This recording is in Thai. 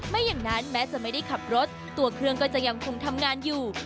ไม่อย่างนั้นแม้จะไม่ได้ขับรถตัวเครื่องก็จะยังคงทำงานอยู่